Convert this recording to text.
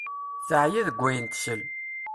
Teɛya deg wayen tessal.